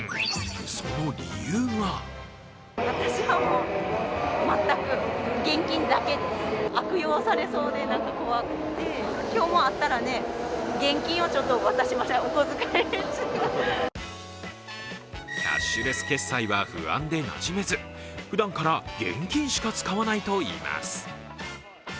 その理由がキャッシュレス決済は不安でなじめず、ふだんから現金しか使わないといいます。